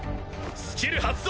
スキル発動！